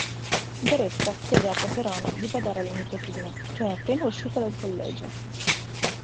Doretta chiede a Paperone di badare alla nipotina, che è appena uscita dal collegio.